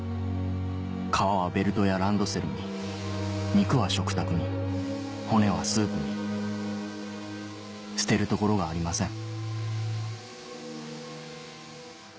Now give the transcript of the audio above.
皮はベルトやランドセルに肉は食卓に骨はスープに捨てるところがありません